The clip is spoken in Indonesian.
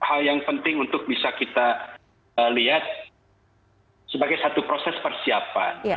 hal yang penting untuk bisa kita lihat sebagai satu proses persiapan